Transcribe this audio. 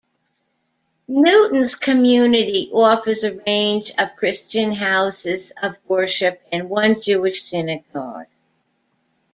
Newton's community offers a range of Christian houses of worship and one Jewish synagogue.